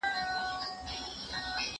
کومول هم د څه انعام لپاره تم سو